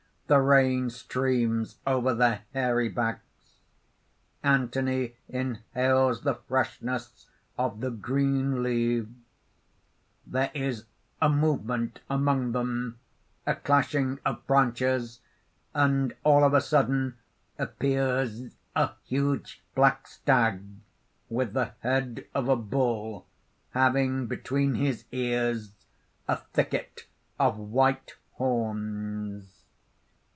The rain streams over their hairy backs._ Anthony inhales the freshness of the green leaves. _There is a movement among them, a clashing of branches; and all of a sudden appears a huge black stag, with the head of a bull, having between his ears a thicket of white horns.